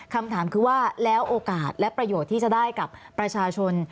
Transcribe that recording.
คำถามคือว่าแล้วโอกาสและประโยชน์ที่จะได้กับประชาชน